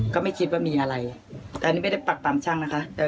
ก็ไม่คิดว่ามีอะไรแต่นี่ไม่ได้ปรับตามชั่งนะคะ